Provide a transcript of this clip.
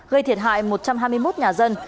gây thiệt hại một trăm hai mươi một nhà dân